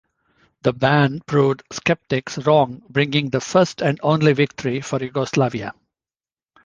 The band proved sceptics wrong bringing the first and only victory for Yugoslavia.